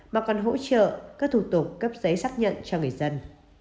mà còn hỗ trợ các thủ tục cấp giấy xác nhận cho người dân